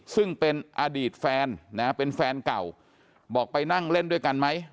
ซึ่งเป็นอดีตแฟนนะเป็นแฟนเก่าบอกไปนั่งเล่นด้วยกันไหม